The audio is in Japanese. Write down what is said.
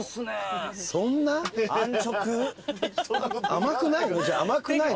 甘くないの？